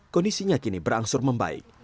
kondisinya kini berangsur membaik